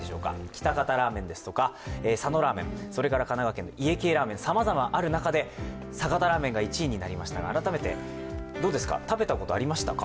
喜多方ラーメンですとか、佐野ラーメン家系ラーメンと、さまざまある中で酒田ラーメンが１位になりましたが改めて、食べたことありましたか？